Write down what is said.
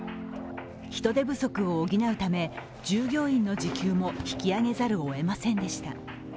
人手不足を補うため、従業員の時給も引き上げざるをえませんでした。